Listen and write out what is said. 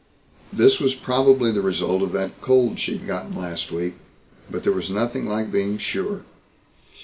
This was probably the result of that cold she'd gotten last week, but there was nothing like being sure.